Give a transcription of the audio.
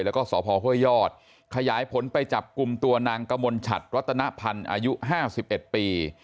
แล้วก็สพห้วยยอดขยายผลไปจับกลุ่มตัวนางกมลชัดรัตนพันธ์อายุ๕๑ปี